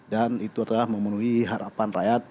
dan itulah memenuhi harapan rakyat